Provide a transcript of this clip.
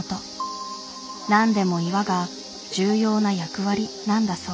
なんでも岩が重要な役割なんだそう。